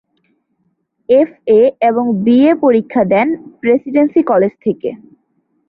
FA এবং BA পরীক্ষা দেন প্রেসিডেন্সী কলেজ থেকে।